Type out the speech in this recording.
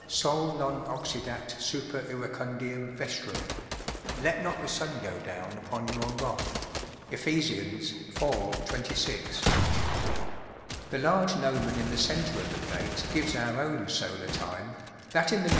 "Sol non oxidat super iracimdiam vestram ” (Let not the sun go down upon your wrath). Ephes, iv* 26, The large gnomon in the centre of the plate gives our own solar time, that in the N,W.